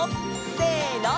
せの！